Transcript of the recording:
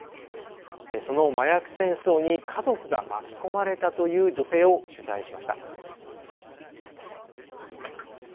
その麻薬戦争に家族が巻き込まれたという女性を取材しました。